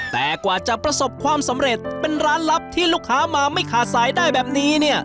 แต่กว่าจะประสบความสำเร็จเป็นร้านลับที่ลูกค้ามาไม่ขาดสายได้แบบนี้เนี่ย